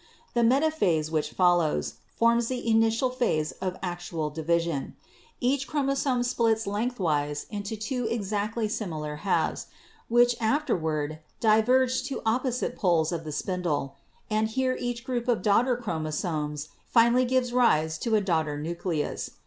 The metaphase, which follows, forms the initial phase of actual division. Each chromosome splits lengthwise into two exactly similar halves, which afterward diverge to opposite poles of the splindle, and here each group of daughter chromosomes finally gives rise to a daughter nucleus.